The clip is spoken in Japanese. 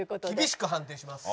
厳しく判定します！